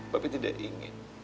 papi tidak ingin